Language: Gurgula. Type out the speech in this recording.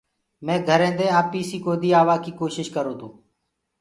مي گھرينٚ دي آپيٚسي ڪودي آوآئيٚ ڪوشيٚش ڪرو تو